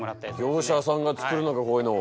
業者さんが作るのかこういうのを。